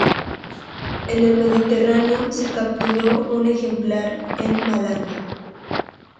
En el Mediterráneo se capturó un ejemplar en Málaga.